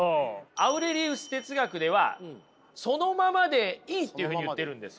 アウレリウス哲学ではそのままでいいっていうふうに言っているんですよ。